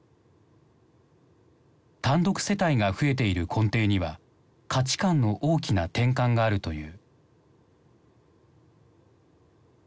単独世帯が増えている根底には価値観の大きな転換があるという。